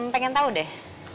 pengen tahu deh